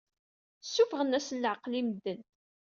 Ssuffɣen-asen leɛqel i medden.